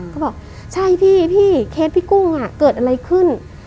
ก็บอกใช่พี่เคสพี่กุ้งเกิดอะไรขึ้น